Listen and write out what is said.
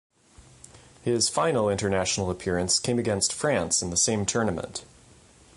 His final international appearance came against France in the same tournament.